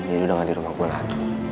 jadi udah nanti rumah gue lagi